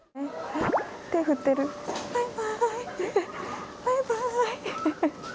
バイバイ。